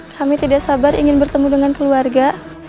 kami tidak sabar ingin bertemu dengan keluarga